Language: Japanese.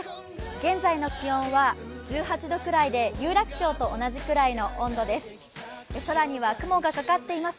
現在の気温は１８度くらいで有楽町と同じくらいの温度です。